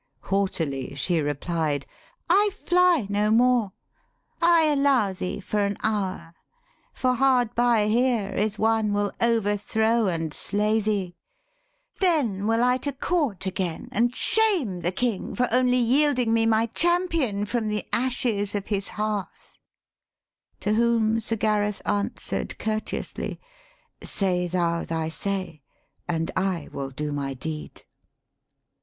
Haughtily she replied, ' I fly no more: I allow thee for an hour. For hard by here is one will overthrow And slay thee; then will I to court again, And shame the King for only yielding me My champion from the ashes of his hearth.' 13 189 THE SPEAKING VOICE To whom Sir Gareth answer'd courteously, 'Say thou thy say, and I will do my deed.